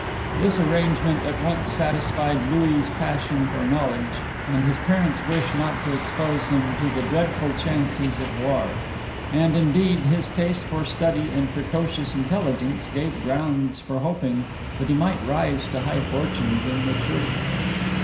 This arrangement at once satisfied Louis' passion for knowledge, and his parents' wish not to expose him to the dreadful chances of war; and, indeed, his taste for study and precocious intelligence gave grounds for hoping that he might rise to high fortunes in the Church.